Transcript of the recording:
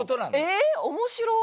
えっ面白っ！